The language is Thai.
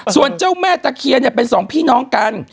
ส่วนเจ้าแม่ตะเคียนเนี่ยเป็นสองพี่น้องกัน